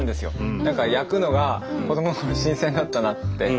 何か焼くのが子どものころ新鮮だったなって。